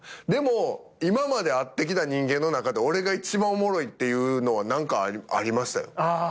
でも今まで会ってきた人間の中で俺が一番おもろいっていうのは何かありましたよ。